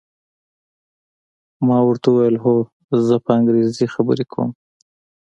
ما ورته وویل: هو، زه په انګریزي خبرې کوم.